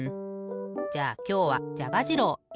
じゃあきょうはじゃがじろういってくれ。